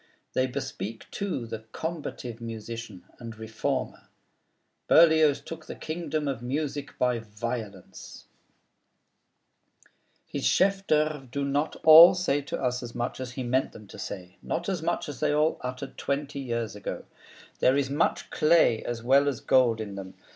They bespeak, too, the combative musician and reformer. Berlioz took the kingdom of music by violence. [Illustration: Hector Berlioz] His chef d'oeuvres do not all say to us as much as he meant them to say, not as much as they all uttered twenty years ago. There is much clay as well as gold in them.